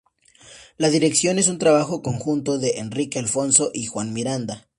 La Dirección es un trabajo conjunto de Enrique Alfonso y Juan Miranda.